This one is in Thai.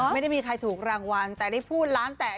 ไม่ได้มีใครถูกรางวัลแต่ได้พูดล้านแตก